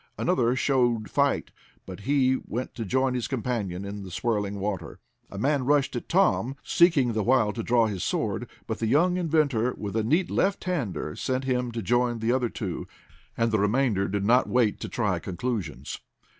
Another showed fight, but he went to join his companion in the swirling water. A man rushed at Tom, seeking the while to draw his sword, but the young inventor, with a neat left hander, sent him to join the other two, and the remainder did not wait to try conclusions.